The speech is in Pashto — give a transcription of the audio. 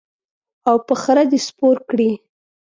او په خره دې سپور کړي.